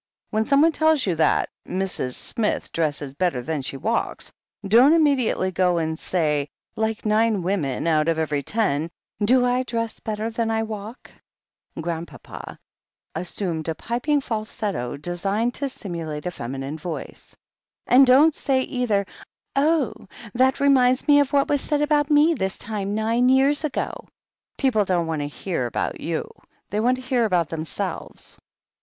When someone tells you that Mrs. Smith dresses better than she walks, don't im mediately go and say, like nine women out of every ten, 'Do I dress better than I walk ?'" it «1 22 THE HEEL OF ACHILLES Grandpapa assumed a piping falsetto designed to simulate a feminine voice : "And don't say, either, *Oh, that reminds me of what was said about me this time nine years ago/ People don't want to hear about you — ^they want to hear about themselves."